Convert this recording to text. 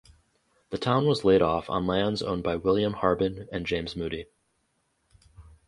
The town was laid off on lands owned by William Harbin and James Moody.